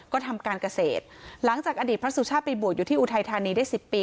ก็ทำการเกษตรหลังจากอดีตพระสุชาติไปบวชอยู่ที่อุทัยธานีได้๑๐ปี